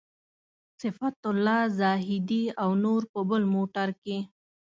صفت الله زاهدي او نور په بل موټر کې.